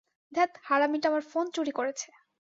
ধ্যাত, হারামীটা আমার ফোন চুরি করেছে।